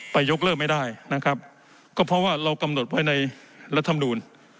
ยกเลิกไม่ได้นะครับก็เพราะว่าเรากำหนดไว้ในรัฐมนูล